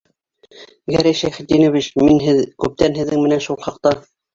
Гәрәй Шәйхетдинович, мин күптән һеҙҙең менән шул хаҡта...